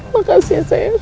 makasih ya sayang